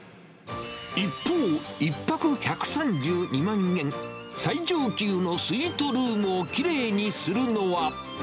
一方、１泊１３２万円、最上級のスイートルームをきれいにするのは。